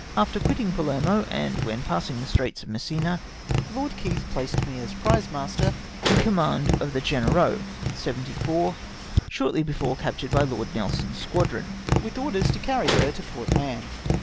After quitting Pa lermo, and when passing the Straits of Messina, Lord Keith placed me as prize master in command of the Genereux, 74 — shortly before captured by Lord Nelson's squadron — with orders to carry her to Port Mahon.